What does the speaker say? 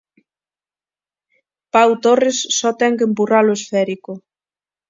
Pau Torres só ten que empurrar o esférico.